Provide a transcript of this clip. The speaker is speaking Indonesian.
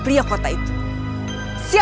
melayang p barkasi